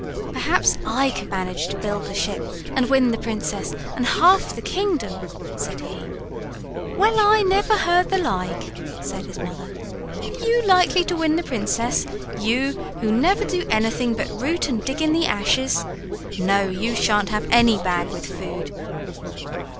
"Perhaps I can manage to build the ship and win the princess and half the kingdom," said he. "Well, I never heard the like," said his mother. "Are you likely to win the princess, you, who never do anything but root and dig in the ashes? No, you shan't have any bag with food!"